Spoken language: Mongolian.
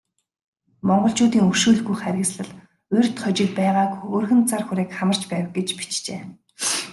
Монголчуудын өршөөлгүй харгислал урьд хожид байгаагүй өргөн цар хүрээг хамарч байв гэж бичжээ.